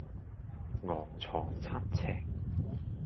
昂藏七尺